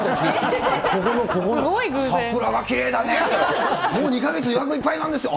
ここの、桜はきれいだねって、もう２か月予約いっぱいなんですよ。